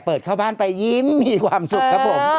เปิดเข้าบ้านไปยิ้มมีความสุขครับผม